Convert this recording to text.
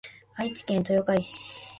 愛知県東海市